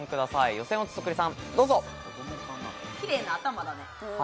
予選落ちそっくりさん、どうぞ。